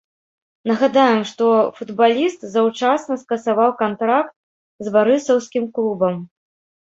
Нагадаем, што футбаліст заўчасна скасаваў кантракт з барысаўскім клубам.